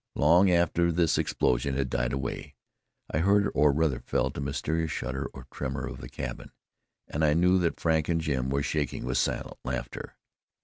Long after this explosion had died away, I heard, or rather felt, a mysterious shudder or tremor of the cabin, and I knew that Frank and Jim were shaking with silent laughter.